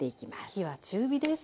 火は中火です。